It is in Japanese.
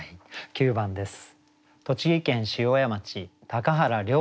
９番です。